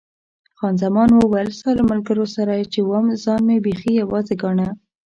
خان زمان وویل، ستا له ملګرو سره چې وم ځان مې بیخي یوازې ګاڼه.